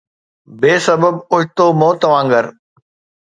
بي سبب اوچتو موت وانگر